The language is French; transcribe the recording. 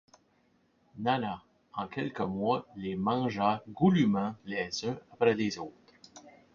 Nana, en quelques mois, les mangea goulûment, les uns après les autres.